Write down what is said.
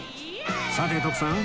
さて徳さん